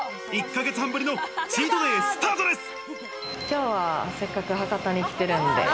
１か月半ぶりのチートデイ、スタートです！